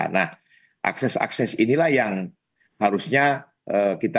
nah akses akses inilah yang harusnya kita